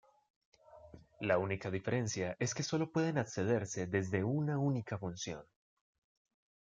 La única diferencia es que sólo pueden accederse desde una única función.